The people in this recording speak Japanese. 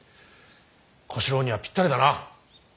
小四郎にはぴったりだな。